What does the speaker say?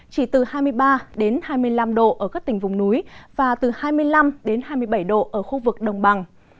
chỉ từ hai mươi ba hai mươi năm độ ở các tỉnh vùng núi và từ hai mươi năm đến hai mươi bảy độ ở khu vực đồng bằng